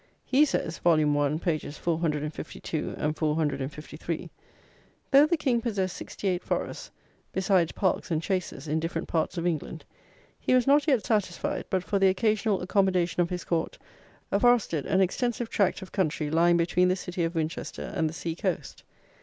He says (vol. I. pp. 452 and 453), "Though the King possessed sixty eight forests, besides parks and chases, in different parts of England, he was not yet satisfied, but for the occasional accommodation of his court, afforested an extensive tract of country lying between the city of Winchester and the sea coast.